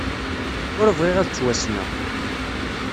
Ur bɣiɣ ad ttwassneɣ.